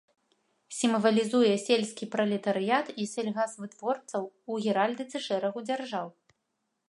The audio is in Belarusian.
Сімвалізуе сельскі пралетарыят і сельгасвытворцаў у геральдыцы шэрагу дзяржаў.